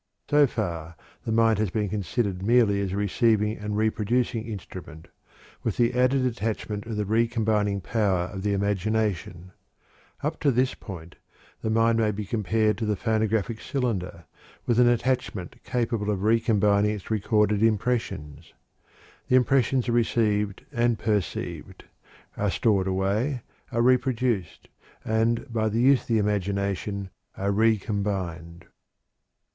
So far the mind has been considered merely as a receiving and reproducing instrument, with the added attachment of the re combining power of the imagination. Up to this point the mind may be compared to the phonographic cylinder, with an attachment capable of re combining its recorded impressions. The impressions are received and perceived, are stored away, are reproduced, and by the use of the imagination are re combined.